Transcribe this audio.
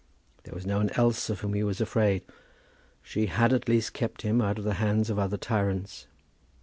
There was no one else of whom he was afraid. She had at least kept him out of the hands of other tyrants.